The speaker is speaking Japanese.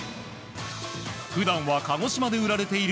普段は鹿児島で売られている